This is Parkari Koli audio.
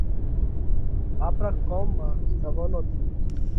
آپرا ڪوم مانه روَونو ٿيو۔